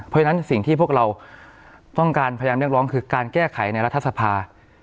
เพราะฉะนั้นสิ่งที่พวกเราต้องการพยายามเรียกร้องคือการแก้ไขในรัฐสภา